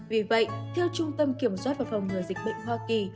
vì vậy theo trung tâm kiểm soát và phòng ngừa dịch bệnh hoa kỳ